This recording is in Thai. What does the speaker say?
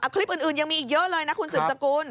คลิปอื่นยังมีอีกเยอะเลยนะคุณสืบสกุล